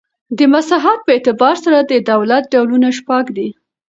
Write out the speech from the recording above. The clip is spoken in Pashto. د مساحت په اعتبار سره د دولت ډولونه شپږ دي.